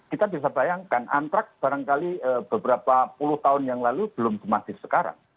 kita bisa bayangkan antraks barangkali beberapa puluh tahun yang lalu belum semasif sekarang